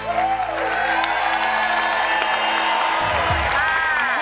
นั่นแหละครับ